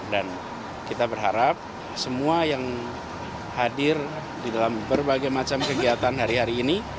kita berharap semua yang hadir di dalam berbagai macam kegiatan hari hari ini